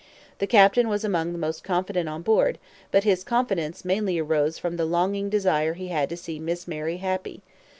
The captain was among the most confident on board, but his confidence mainly arose from the longing desire he had to see Miss Mary happy.